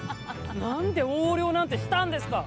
なんで横領なんてしたんですか！